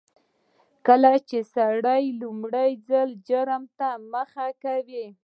کله چې سړی لومړي ځل جرم ته مخه کوي